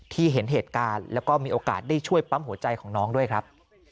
เห็นเหตุการณ์แล้วก็มีโอกาสได้ช่วยปั๊มหัวใจของน้องด้วยครับ